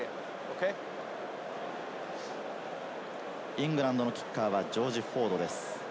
イングランドのキッカーはジョージ・フォードです。